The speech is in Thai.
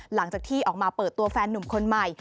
หลังจากที่ออกมาเปิดตัวแฟนนุ่มคนใหม่